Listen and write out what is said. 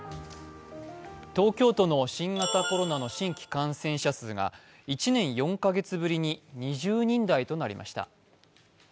東京都の新型コロナの新規感染者数が１年４カ月ぶりに２０人台となりました。